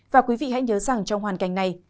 và quý vị hãy nhớ rằng trong hoàn cảnh này